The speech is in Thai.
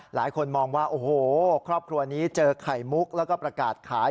หลายคนมองว่าโอ้โหครอบครัวนี้เจอไข่มุกแล้วก็ประกาศขาย